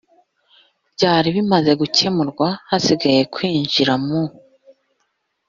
byari bimaze gukemurwa hasigaye kwinjira mu